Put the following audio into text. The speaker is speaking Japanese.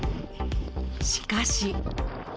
しかし。